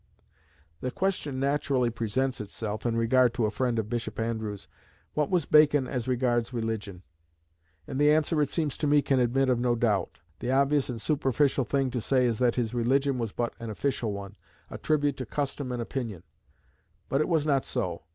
The question naturally presents itself, in regard to a friend of Bishop Andrewes, What was Bacon as regards religion? And the answer, it seems to me, can admit of no doubt. The obvious and superficial thing to say is that his religion was but an official one, a tribute to custom and opinion. But it was not so.